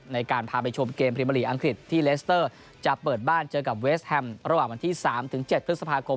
ในการพาไปชมเกมพรีบริอังกฤษที่เลสเตอร์จะเปิดบ้านเจอกับเวสแฮมป์ระหว่างวันที่สามถึงเจ็ดฤทธิ์สัพพาคม